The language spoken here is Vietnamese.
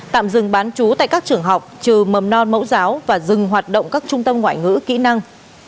tạm dừng bán chú tại các trường học trừ mầm non mẫu giáo và dừng hoạt động các trung tâm ngoại ngữ kỹ năng